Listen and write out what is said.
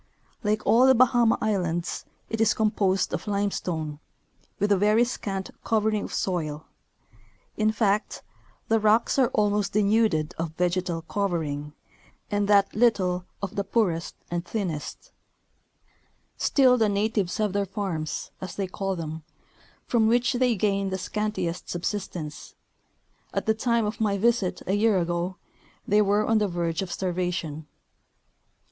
Like all the Bahama islands, it is composed of limestone, with a very scant covering of soil — in fact, the rocks are almost denuded of vegetal covering, and that little of the poorest and 190 F. A. Oher — In the Wake of Columbus. thinnest. Still the natives have their " farms," as they call them, from which they gain the scantiest subsistence ; at the time of my visit, a year ago, they were on the verge of starvation.